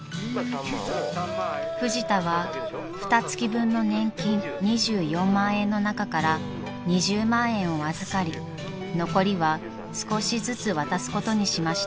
［フジタはふた月分の年金２４万円の中から２０万円を預かり残りは少しずつ渡すことにしました］